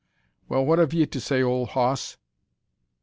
"Well! what have you to say, old hoss?"